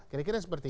kira kira seperti ini